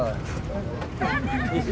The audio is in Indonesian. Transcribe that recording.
di sini sih bu